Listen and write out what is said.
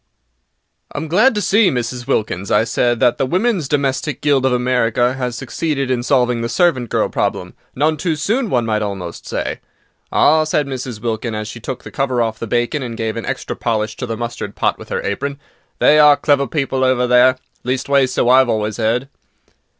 "I AM glad to see, Mrs. Wilkins," I said, "that the Women's Domestic Guild of America has succeeded in solving the servant girl problem—none too soon, one might almost say." "Ah," said Mrs. Wilkins, as she took the cover off the bacon and gave an extra polish to the mustard pot with her apron, "they are clever people over there; leastways, so I've always 'eard."